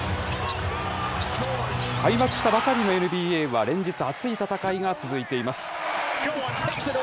開幕したばかりのＮＢＡは、連日熱い戦いが続いています。